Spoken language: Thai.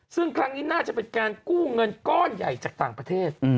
ซึ่งครั้งนี้น่าจะเป็นการกู้เงินก้อนใหญ่จากต่างประเทศ